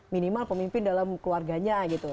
minimal pemimpin dalam keluarganya gitu